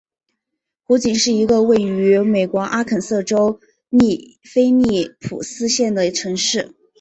湖景是一个位于美国阿肯色州菲利普斯县的城市。